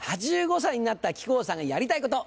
「８５歳になった木久扇さんがやりたいこと」